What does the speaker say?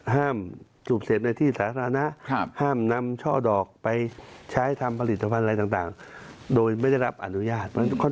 ห้ามสูบเสร็จในที่สาธารณะห้ามนำช่อดอกไปใช้ทำผลิตภัณฑ์อะไรต่างโดยไม่ได้รับอนุญาต